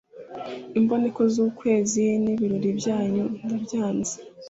Imboneko z’ukwezi n’ibirori byanyu ndabyanze,